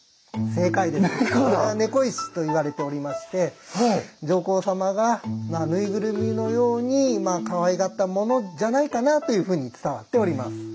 これは「猫石」と言われておりまして上皇様が縫いぐるみのようにかわいがったものじゃないかなというふうに伝わっております。